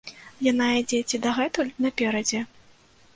Яна ідзе ці дагэтуль наперадзе?